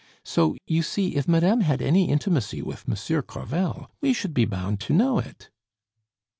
So, you see, if madame had any intimacy with Monsieur Crevel, we should be bound to know it."